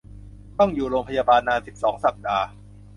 ต้องอยู่โรงพยาบาลนาน สิบสอง สัปดาห์